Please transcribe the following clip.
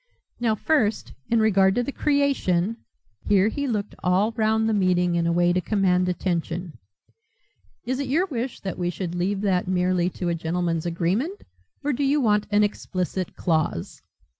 "Now, first, in regard to the creation," here he looked all round the meeting in a way to command attention "Is it your wish that we should leave that merely to a gentlemen's agreement or do you want an explicit clause?"